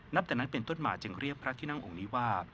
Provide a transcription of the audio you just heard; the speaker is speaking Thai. จากนั้นเป็นต้นมาจึงเรียกพระที่นั่งองค์นี้ว่า